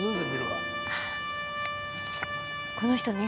この人ね。